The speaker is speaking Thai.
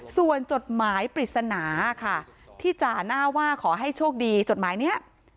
ส่วนจดหมายปริศนาค่ะที่จ่าหน้าว่าขอให้โชคดีจดหมายนี้